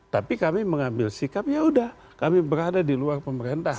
tapi kami mengambil sikap ya udah kami berada di luar pemerintah